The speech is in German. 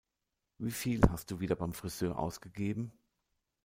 Wie viel hast du wieder beim Frisör ausgegeben?